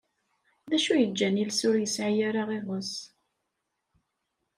D acu yeǧǧan iles ur yesɛi ara iɣes?